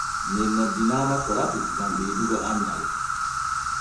Men noddinaama korakou gan ɓeedugo annal.